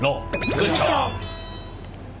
グッジョブ！